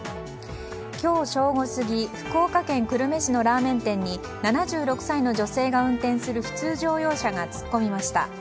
今日正午過ぎ福岡県久留米市のラーメン店に７６歳の女性が運転する普通乗用車が突っ込みました。